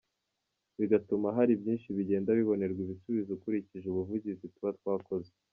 Bigatuma hari byinshi bigenda bibonerwa ibisubizo ukurikije ubuvugizi tuba twakoze.